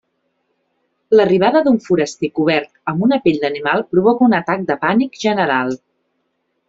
L'arribada d'un foraster cobert amb una pell d'animal provoca un atac de pànic general.